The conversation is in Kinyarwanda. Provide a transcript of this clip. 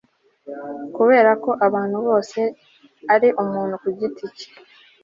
kubera ko abantu bose ari umuntu ku giti cye